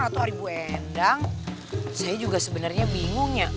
waktu hari bu endang saya juga sebenarnya bingung ya